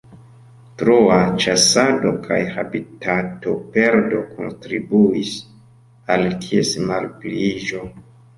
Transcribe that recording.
Troa ĉasado kaj habitatoperdo kontribuis al ties malpliiĝo.